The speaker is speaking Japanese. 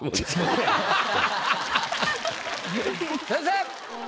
先生！